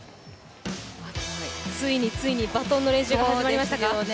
ついに、ついにバトンの練習が始まりましたか。